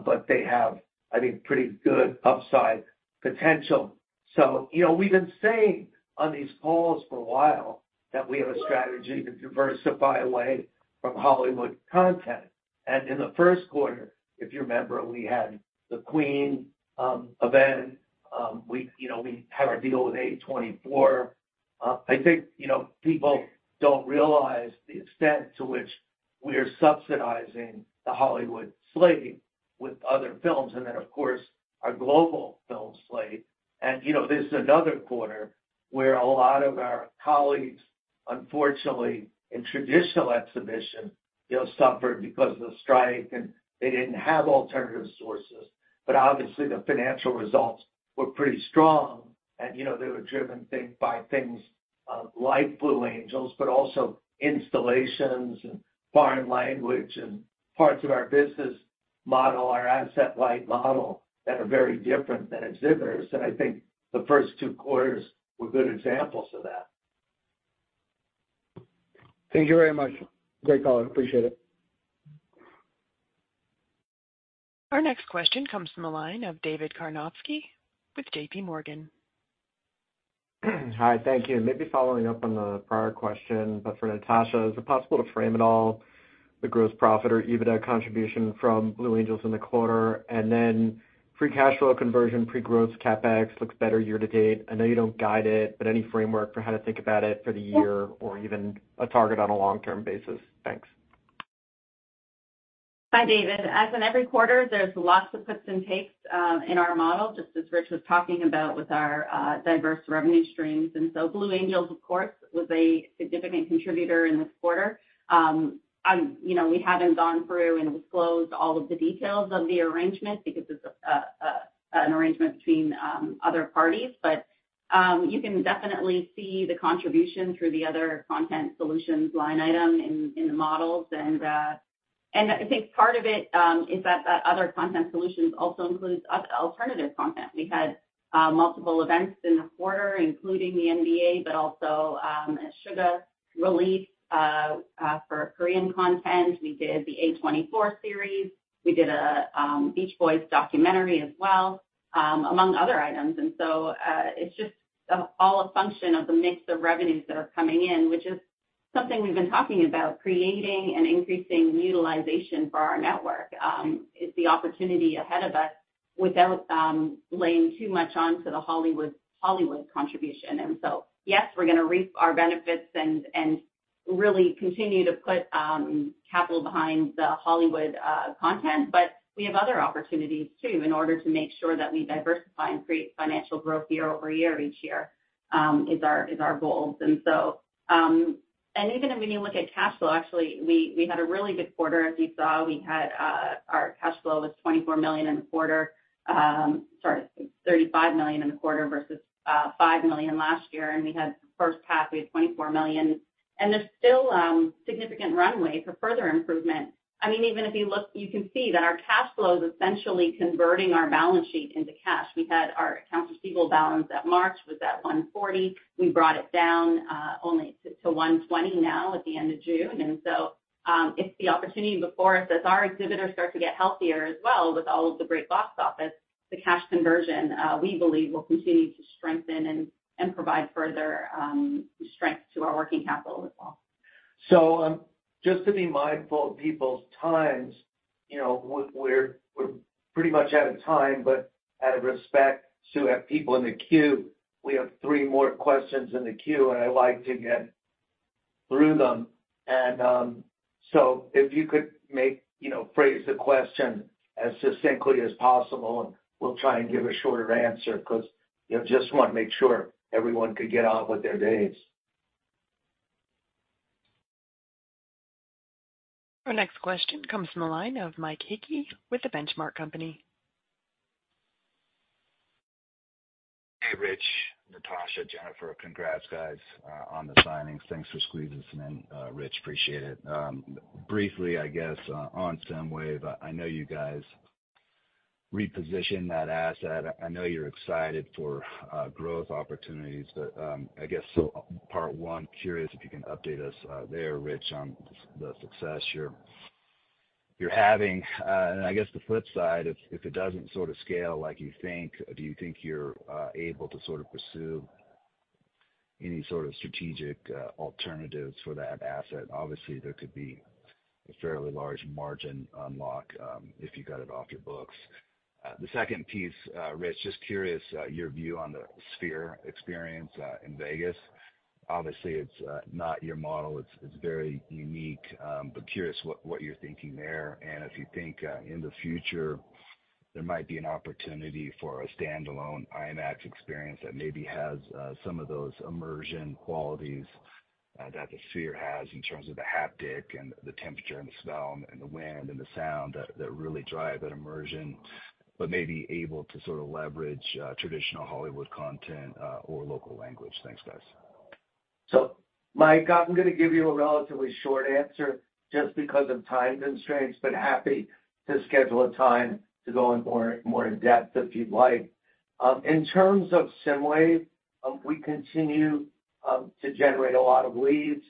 but they have, I think, pretty good upside potential. We've been saying on these calls for a while that we have a strategy to diversify away from Hollywood content. In the first quarter, if you remember, we had the Queen event. We had our deal with A24. I think people don't realize the extent to which we are subsidizing the Hollywood slate with other films and then, of course, our global film slate. There's another quarter where a lot of our colleagues, unfortunately, in traditional exhibition, suffered because of the strike, and they didn't have alternative sources. Obviously, the financial results were pretty strong. They were driven by things like Blue Angels, but also installations and foreign language and parts of our business model, our asset- light model that are very different than exhibitors. I think the first two quarters were good examples of that. Thank you very much. Great call. I appreciate it. Our next question comes from the line of David Karnovsky with J.P. Morgan. Hi, thank you. Maybe following up on the prior question, but for Natasha, is it possible to frame at all the gross profit or EBITDA contribution from Blue Angels in the quarter? And then free cash flow conversion, pre-growth CapEx looks better year to date. I know you don't guide it, but any framework for how to think about it for the year or even a target on a long-term basis? Thanks. Hi, David. As in every quarter, there's lots of puts and takes in our model, just as Rich was talking about with our diverse revenue streams. And so Blue Angels, of course, was a significant contributor in this quarter. We haven't gone through and disclosed all of the details of the arrangement because it's an arrangement between other parties. But you can definitely see the contribution through the other content solutions line item in the models. I think part of it is that that other content solutions also includes alternative content. We had multiple events in the quarter, including the NBA, but also a Suga release for Korean content. We did the A24 series. We did a Beach Boys documentary as well, among other items. So it's just all a function of the mix of revenues that are coming in, which is something we've been talking about, creating and increasing utilization for our network. It's the opportunity ahead of us without laying too much onto the Hollywood contribution. So, yes, we're going to reap our benefits and really continue to put capital behind the Hollywood content. But we have other opportunities too in order to make sure that we diversify and create financial growth year-over-year each year is our goal. Even when you look at cash flow, actually, we had a really good quarter. As you saw, our cash flow was $24 million in the quarter. Sorry, $35 million in the quarter versus $5 million last year. And in the first half, we had $24 million. And there's still significant runway for further improvement. I mean, even if you look, you can see that our cash flow is essentially converting our balance sheet into cash. We had our accounts receivable balance at March was at $140. We brought it down only to $120 now at the end of June. And so it's the opportunity before us as our exhibitors start to get healthier as well with all of the great box office. The cash conversion, we believe, will continue to strengthen and provide further strength to our working capital as well. So just to be mindful of people's times, we're pretty much out of time, but out of respect to have people in the queue, we have three more questions in the queue, and I'd like to get through them. So if you could phrase the question as succinctly as possible, and we'll try and give a shorter answer because I just want to make sure everyone could get on with their days. Our next question comes from the line of Mike Hickey with The Benchmark Company. Hey, Rich, Natasha, Jennifer, congrats, guys, on the signings. Thanks for squeezing us in, Rich. Appreciate it. Briefly, I guess, on SSIMWAVE, I know you guys repositioned that asset. I know you're excited for growth opportunities, but I guess part one, curious if you can update us there, Rich, on the success you're having. I guess the flip side, if it doesn't sort of scale like you think, do you think you're able to sort of pursue any sort of strategic alternatives for that asset? Obviously, there could be a fairly large margin unlock if you got it off your books. The second piece, Rich, just curious your view on the Sphere experience in Vegas. Obviously, it's not your model. It's very unique, but curious what you're thinking there. And if you think in the future, there might be an opportunity for a standalone IMAX experience that maybe has some of those immersion qualities that the Sphere has in terms of the haptic and the temperature and the smell and the wind and the sound that really drive that immersion, but maybe able to sort of leverage traditional Hollywood content or local language. Thanks, guys. So Mike, I'm going to give you a relatively short answer just because of time constraints, but happy to schedule a time to go in more in-depth if you'd like. In terms of SSIMWAVE, we continue to generate a lot of leads.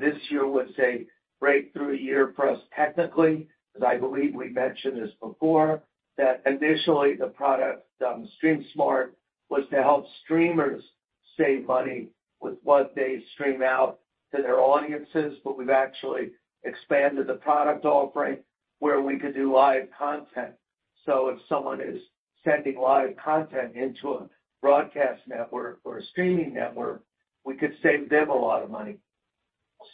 This year was a breakthrough year for us technically, as I believe we mentioned this before, that initially the product StreamSmart was to help streamers save money with what they stream out to their audiences, but we've actually expanded the product offering where we could do live content. So if someone is sending live content into a broadcast network or a streaming network, we could save them a lot of money.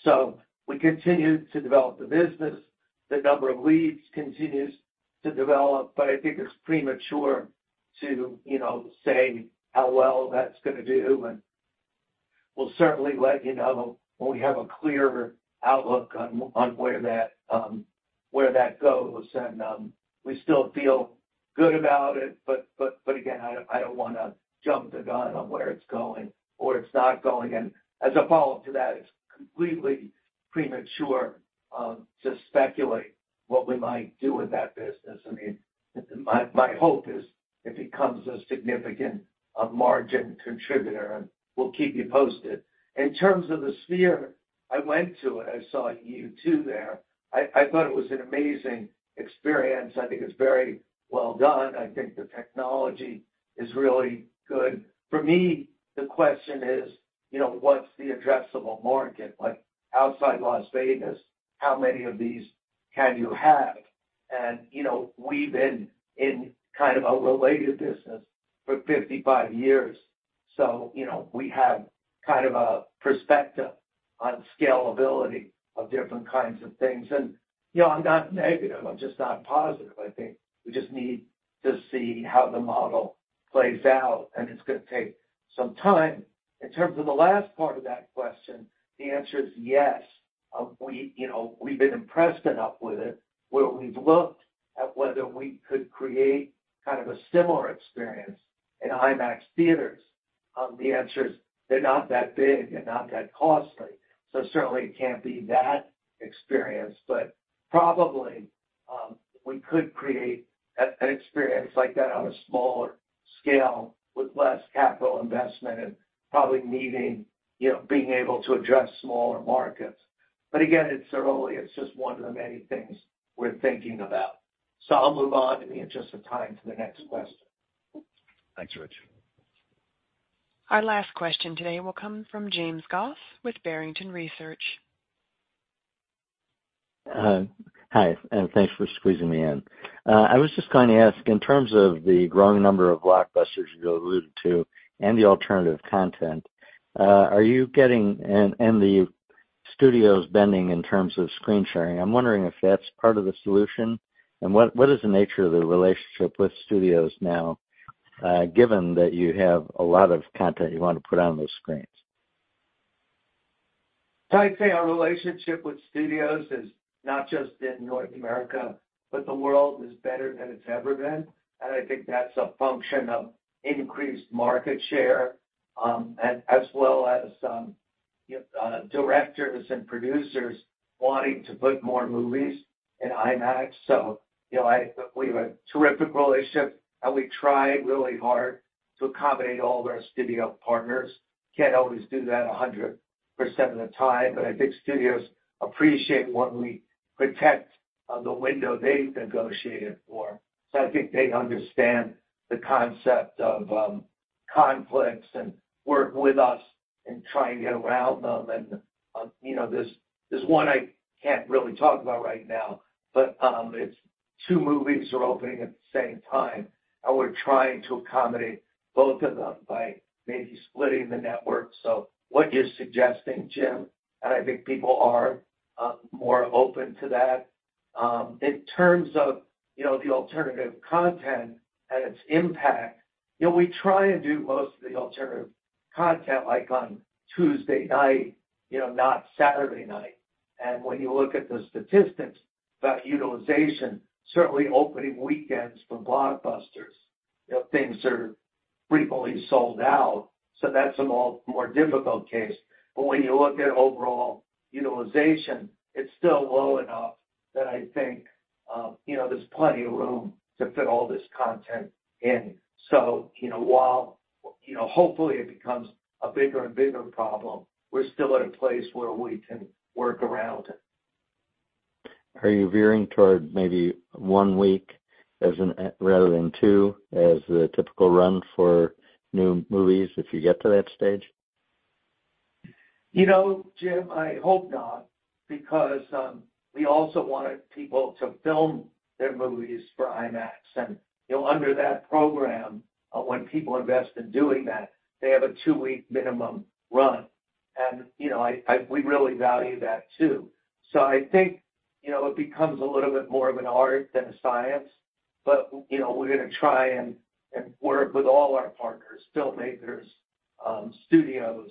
So we continue to develop the business. The number of leads continues to develop, but I think it's premature to say how well that's going to do. We'll certainly let you know when we have a clearer outlook on where that goes. We still feel good about it, but again, I don't want to jump the gun on where it's going or it's not going. As a follow-up to that, it's completely premature to speculate what we might do with that business. I mean, my hope is it becomes a significant margin contributor, and we'll keep you posted. In terms of the Sphere, I went to it. I saw you two there. I thought it was an amazing experience. I think it's very well done. I think the technology is really good. For me, the question is, what's the addressable market? Outside Las Vegas, how many of these can you have? We've been in kind of a related business for 55 years. So we have kind of a perspective on scalability of different kinds of things. And I'm not negative. I'm just not positive. I think we just need to see how the model plays out, and it's going to take some time. In terms of the last part of that question, the answer is yes. We've been impressed enough with it where we've looked at whether we could create kind of a similar experience in IMAX theaters. The answer is they're not that big and not that costly. So certainly, it can't be that experience, but probably we could create an experience like that on a smaller scale with less capital investment and probably being able to address smaller markets. But again, it's just one of the many things we're thinking about. So I'll move on in the interest of time to the next question. Thanks, Rich. Our last question today will come from James Goss with Barrington Research. Hi, and thanks for squeezing me in. I was just going to ask, in terms of the growing number of blockbusters you alluded to and the alternative content, are you getting and the studios bending in terms of screen sharing? I'm wondering if that's part of the solution. What is the nature of the relationship with studios now, given that you have a lot of content you want to put on those screens? I'd say our relationship with studios is not just in North America, but the world is better than it's ever been. I think that's a function of increased market share, as well as directors and producers wanting to put more movies in IMAX. We have a terrific relationship, and we try really hard to accommodate all of our studio partners. Can't always do that 100% of the time, but I think studios appreciate when we protect the window they've negotiated for. So I think they understand the concept of conflicts and work with us and try and get around them. And there's one I can't really talk about right now, but two movies are opening at the same time, and we're trying to accommodate both of them by maybe splitting the network. So what you're suggesting, Jim, and I think people are more open to that. In terms of the alternative content and its impact, we try and do most of the alternative content like on Tuesday night, not Saturday night. And when you look at the statistics about utilization, certainly opening weekends for blockbusters, things are frequently sold out. So that's a more difficult case. But when you look at overall utilization, it's still low enough that I think there's plenty of room to fit all this content in. So while hopefully it becomes a bigger and bigger problem, we're still at a place where we can work around it. Are you veering toward maybe one week rather than two as the typical run for new movies if you get to that stage? Jim, I hope not because we also wanted people to film their movies for IMAX. And under that program, when people invest in doing that, they have a two-week minimum run. And we really value that too. So I think it becomes a little bit more of an art than a science, but we're going to try and work with all our partners, filmmakers, studios,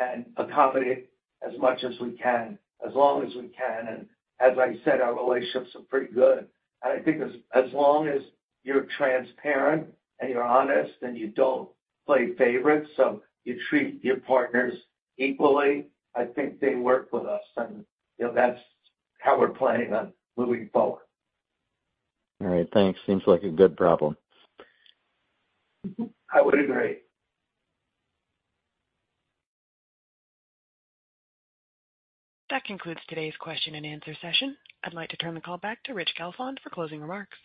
and accommodate as much as we can, as long as we can. And as I said, our relationships are pretty good. And I think as long as you're transparent and you're honest and you don't play favorites, so you treat your partners equally, I think they work with us. And that's how we're planning on moving forward. All right. Thanks. Seems like a good problem. I would agree. That concludes today's question and answer session. I'd like to turn the call back to Rich Gelfond for closing remarks.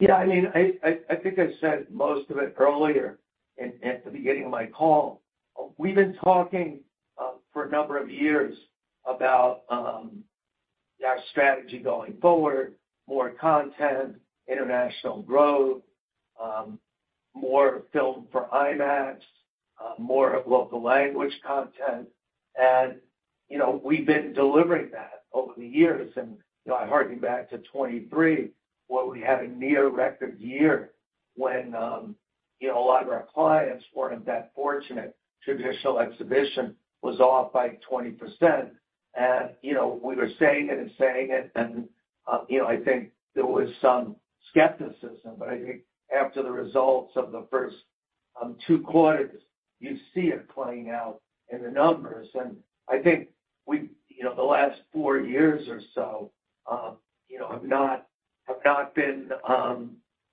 Yeah. I mean, I think I said most of it earlier at the beginning of my call. We've been talking for a number of years about our strategy going forward, more content, international growth, more film for IMAX, more of local language content. And we've been delivering that over the years. And I hearken back to 2023, where we had a near record year when a lot of our clients weren't that fortunate. Traditional exhibition was off by 20%. We were saying it and saying it. I think there was some skepticism, but I think after the results of the first two quarters, you see it playing out in the numbers. I think the last four years or so have not been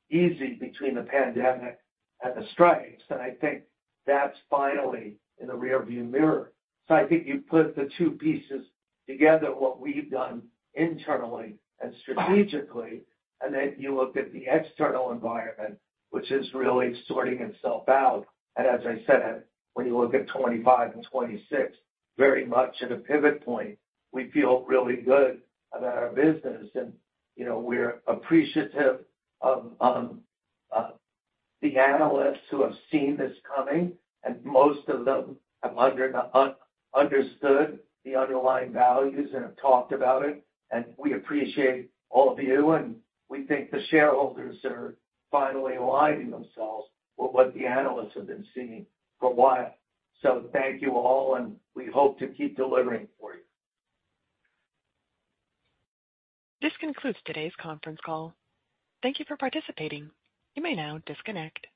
easy between the pandemic and the strikes. I think that's finally in the rearview mirror. I think you put the two pieces together, what we've done internally and strategically, and then you look at the external environment, which is really sorting itself out. As I said, when you look at 2025 and 2026, very much at a pivot point, we feel really good about our business. We're appreciative of the analysts who have seen this coming. Most of them have understood the underlying values and have talked about it. We appreciate all of you. We think the shareholders are finally aligning themselves with what the analysts have been seeing for a while. Thank you all, and we hope to keep delivering for you. This concludes today's conference call. Thank you for participating. You may now disconnect.